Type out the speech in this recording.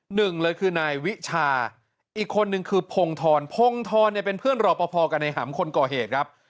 หนึ่งเลยคือนายวิชาอีกคนนึงคือพงธรพงธรเนี่ยเป็นเพื่อนรอปภกับนายหำคนก่อเหตุครับ